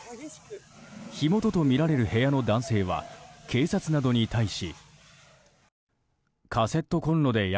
火元とみられる部屋の男性は警察などに対し。